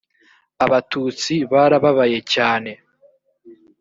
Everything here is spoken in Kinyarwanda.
abatutsi barababaye cyane